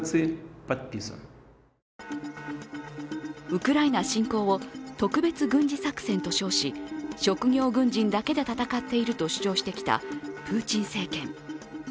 ウクライナ侵攻を特別軍事作戦と称し職業軍人だけで戦っていると主張してきたプーチン政権。